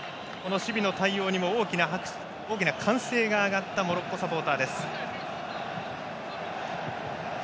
守備の対応にも大きな歓声が上がったモロッコサポーターです。